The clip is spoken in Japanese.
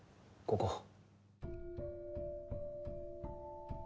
ここ。